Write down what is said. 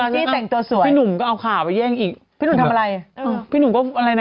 สวัสดีค่ะข้าวใส่ไข่สดใหม่เยอะสวัสดีค่ะ